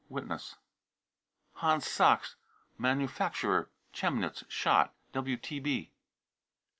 (Witness.) hans sachs, manufacturer, Chemnitz, shot. (WTB.)